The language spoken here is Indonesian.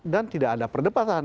dan tidak ada perdebatan